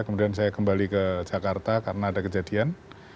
kemudian saya kembali ke jakarta karena ada kejadian